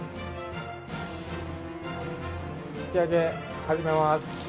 引き上げ始めます。